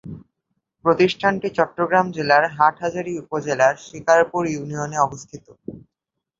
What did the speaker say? প্রতিষ্ঠানটি চট্টগ্রাম জেলার হাটহাজারী উপজেলার শিকারপুর ইউনিয়নে অবস্থিত।